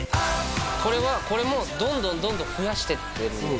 これはこれもどんどんどんどん増やしてってるんです